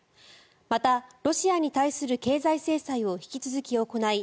また、ロシアに対する経済制裁を引き続き行い